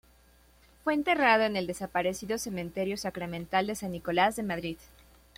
Fue enterrado en el desaparecido Cementerio Sacramental de San Nicolás de Madrid.